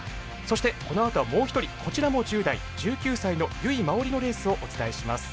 そしてこのあとはもう一人こちらも１０代１９歳の由井真緒里のレースをお伝えします。